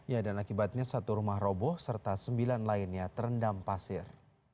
ya dan akibatnya satu rumah roboh serta sembilan lainnya terendam pasir